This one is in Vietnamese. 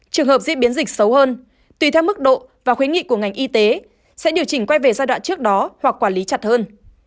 trường hợp diễn biến dịch xấu hơn tùy theo mức độ và khuyến nghị của ngành y tế sẽ điều chỉnh quay về giai đoạn trước đó hoặc quản lý chặt hơn